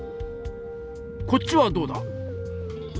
こっちはどうだ？